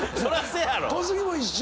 小杉も一緒？